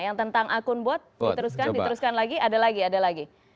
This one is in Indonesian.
yang tentang akun bot diteruskan lagi ada lagi